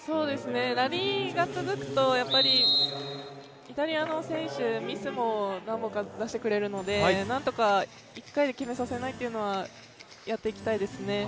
ラリーが続くとイタリアの選手、ミスも何本か出してくれるので、何とか１回で決めさせないというのはやっていきたいですね。